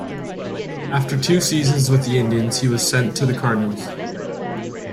After two seasons with the Indians he was sent to the Cardinals.